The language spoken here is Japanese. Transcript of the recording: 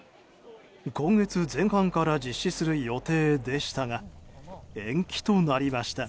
今月前半から実施する予定でしたが延期となりました。